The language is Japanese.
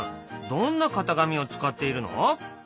どんな型紙を使っているの？